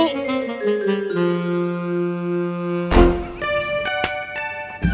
tau doai miniset